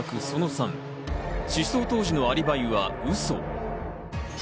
その３、失踪当時のアリバイは嘘。